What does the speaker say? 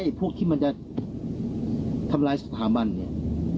พวกที่มันจะทำร้ายสถาบันเนี่ย